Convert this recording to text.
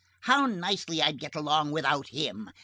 How nicely I'd get along without him!